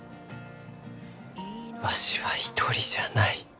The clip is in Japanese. わしは一人じゃない。